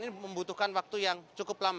ini membutuhkan waktu yang cukup lama